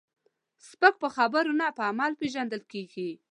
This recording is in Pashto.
سپک په خبرو نه، په عمل پیژندل کېږي.